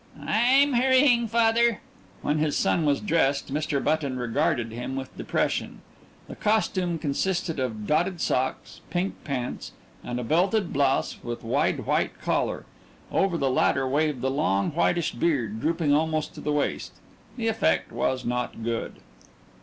"I'm hurrying, father." When his son was dressed Mr. Button regarded him with depression. The costume consisted of dotted socks, pink pants, and a belted blouse with a wide white collar. Over the latter waved the long whitish beard, drooping almost to the waist. The effect was not good.